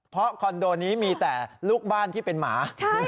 เพราะคอนโดนี้มีแต่ลูกบ้านที่เป็นหมา